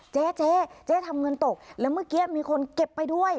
เจ๊เจ๊ทำเงินตกแล้วเมื่อกี้มีคนเก็บไปด้วย